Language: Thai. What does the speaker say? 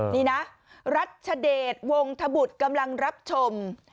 นี่นะรัชเดชวงธบุตรกำลังรับชม